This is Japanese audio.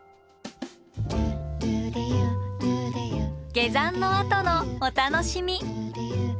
下山のあとのお楽しみ。